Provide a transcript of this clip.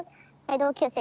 同級生？